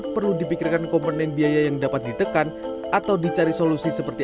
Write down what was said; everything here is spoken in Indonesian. perlu dipikirkan komponen biaya yang dapat ditekan atau dicari solusi seperti